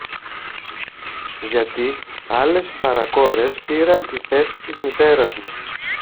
Γιατί άλλες παρακόρες πήραν τη θέση της μητέρας μου